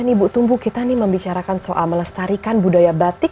ini bu tumbuh kita nih membicarakan soal melestarikan budaya batik